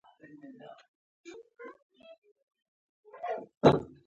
ماښام او سهار ستا په اړه سوچ کوم